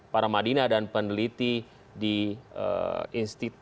para madina dan pendeliti di kedai kopi